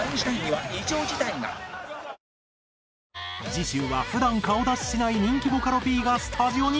次週は普段顔出ししない人気ボカロＰがスタジオに。